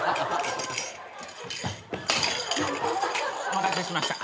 お待たせしました。